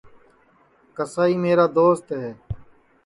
کسائی میرا دوست ہے